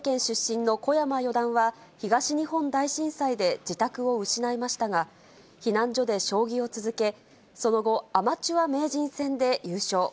岩手県出身の小山四段は、東日本大震災で自宅を失いましたが、避難所で将棋を続け、その後、アマチュア名人戦で優勝。